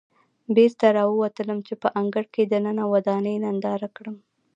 بېرته راووتلم چې په انګړ کې دننه ودانۍ ننداره کړم.